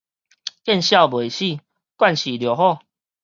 見笑袂死，慣勢著好